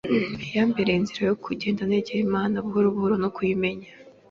yambereye inzira yo kugenda negera Imana buhoro buhoro no kuyimenya,